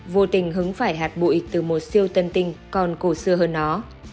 vô tình hứng phải hạt bụi từ một siêu tân tinh còn cổ xưa hơn nó